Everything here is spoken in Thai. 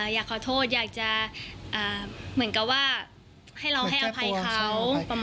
อยากขอโทษอยากจะเหมือนกับว่าให้เราให้อภัยเขา